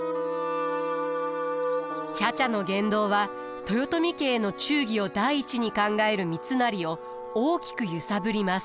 茶々の言動は豊臣家への忠義を第一に考える三成を大きく揺さぶります。